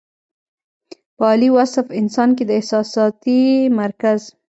پۀ عالي وصف انسان کې د احساساتي مرکز